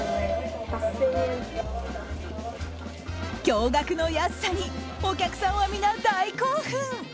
驚愕の安さにお客さんは皆、大興奮。